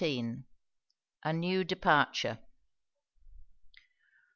A NEW DEPARTURE.